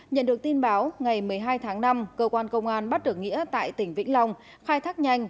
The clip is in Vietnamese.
nhận được tin báo ngày một mươi hai tháng năm cơ quan công an bắt được nghĩa tại tỉnh vĩnh long khai thác nhanh